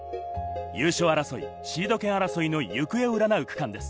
優勝争い、シード権争いの行方をうらなう区間です。